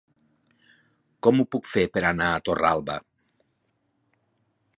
Com ho puc fer per anar a Torralba?